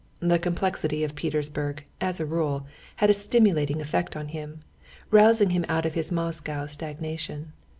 The complexity of Petersburg, as a rule, had a stimulating effect on him, rousing him out of his Moscow stagnation.